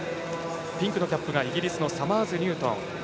ピンクのキャップがイギリスサマーズニュートン。